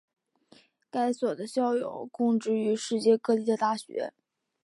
该所的校友供职于世界各地的大学。